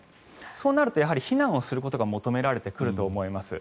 そうなると避難をすることが求められると思います。